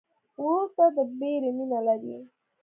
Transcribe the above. ورور ته د بری مینه لرې.